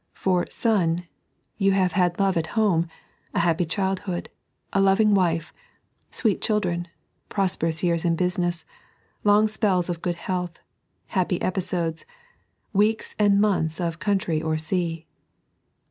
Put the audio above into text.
For Sun, you have had love at home, a happy childhood, a loving wife, sweet children, prosperous years in busineee, long spells of good health, happy episodes, weeks and months of covmtry or sea.